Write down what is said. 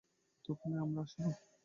তখনি আমরা আসিব।